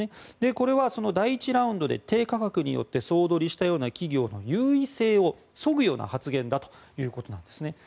これは、第１ラウンドで低価格によって総取りしたような企業の誘因性をそぐような発言だということです。